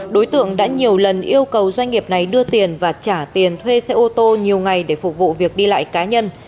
đối tượng đã nhiều lần yêu cầu doanh nghiệp này đưa tiền và trả tiền thuê xe ô tô nhiều ngày để phục vụ việc đi lại cá nhân